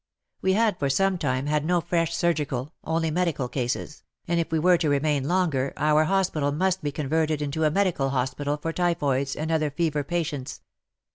We had for some time had no fresh surgical, only medical cases, and if we were to remain longer, our hospital must be converted into a medical hospital for typhoids and other fever patients.